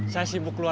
saya sibuk luar biasa